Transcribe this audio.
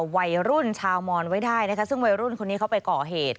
วัยรุ่นชาวมอนไว้ได้นะคะซึ่งวัยรุ่นคนนี้เขาไปก่อเหตุ